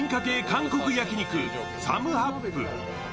韓国焼き肉・サムハップ。